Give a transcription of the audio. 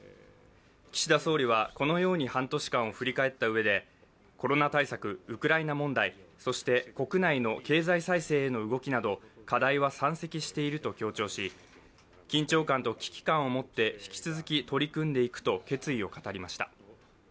岸田総理はこのように半年間を振り返ったうえでコロナ対策、ウクライナ問題そして国内の経済再生への動きなど課題は山積していると強調し、緊張感と危機感を持って引き続き取り組んでいくと決意を語りました。